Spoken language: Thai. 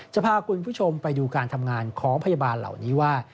จะพาคุณผู้ชมไปดูการทำงานของพยาบาลเหล่านี้ว่า